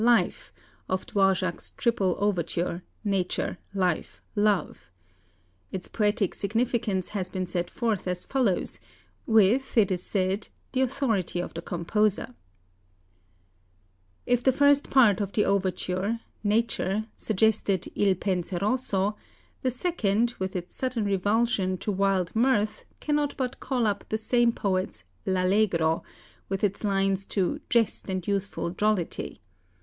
("Life") of Dvořák's "Triple Overture," "Nature, Life, Love" (see page 85). Its poetic significance has been set forth as follows, with, it is said, the authority of the composer: "If the first part of the overture ['Nature'] suggested 'Il Penseroso,' the second, with its sudden revulsion to wild mirth, cannot but call up the same poet's 'L'Allegro,' with its lines to 'Jest and youthful jollity.'